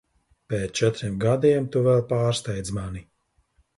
Pēc četriem gadiem tu vēl pārsteidz mani.